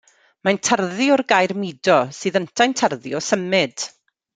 Mae'n tarddu o'r gair mudo sydd yntau'n tarddu o symud.